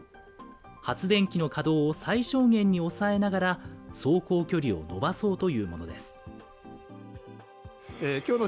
発電機の稼働を最小限に抑えながら、走行距離を延ばそうというものです。